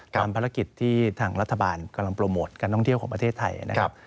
ภารกิจที่ทางรัฐบาลกำลังโปรโมทการท่องเที่ยวของประเทศไทยนะครับ